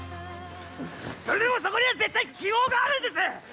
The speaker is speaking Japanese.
それでもそこには絶対希望があるんです。